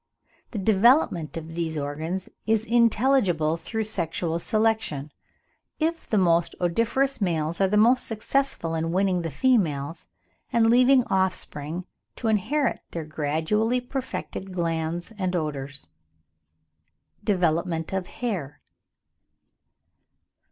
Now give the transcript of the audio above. The development of these organs is intelligible through sexual selection, if the most odoriferous males are the most successful in winning the females, and in leaving offspring to inherit their gradually perfected glands and odours. DEVELOPMENT OF THE HAIR.